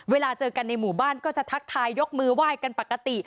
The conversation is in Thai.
เวลาเจอกันในหมู่บ้านก็จะทักทายยกมือไหว้กันปกติ